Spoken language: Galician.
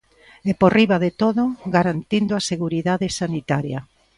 E por riba de todo, garantindo a seguridade sanitaria.